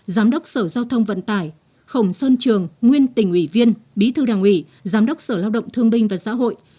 giám đốc sở giao thông vận tải khổng sơn trường nguyên tỉnh ủy viên bí thư đảng ủy giám đốc sở lao động thương binh và xã hội